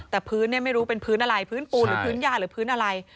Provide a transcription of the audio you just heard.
แต่พื้นเนี่ยไม่รู้เป็นพื้นอะไรพื้นปูนหรือพื้นย่าหรือพื้นอะไร